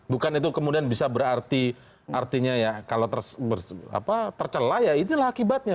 bukan itu kemudian bisa berarti artinya ya kalau tercelah ya itulah akibatnya